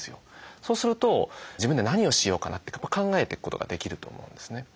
そうすると自分で何をしようかなって考えていくことができると思うんですね。